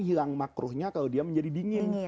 hilang makruhnya kalau dia menjadi dingin